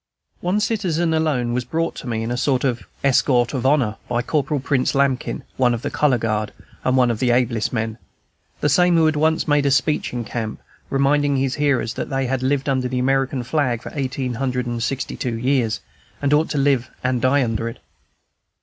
One citizen alone was brought to me in a sort of escort of honor by Corporal Prince Lambkin, one of the color guard, and one of our ablest men, the same who had once made a speech in camp, reminding his hearers that they had lived under the American flag for eighteen hundred and sixty two years, and ought to live and die under it.